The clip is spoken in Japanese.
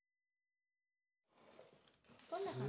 こんな感じ。